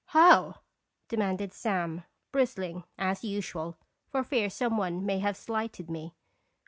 "How?" demanded Sam, bristling, as usual, for fear some one may have slighted me.